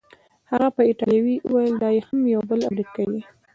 هغه په ایټالوي وویل: دا یې هم یو بل امریکايي دی.